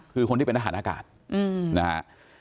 คือคนที่เป็นทหารอากาศนะฮะ